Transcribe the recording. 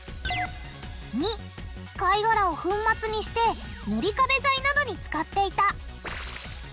②貝がらを粉末にして塗り壁材などに使っていた。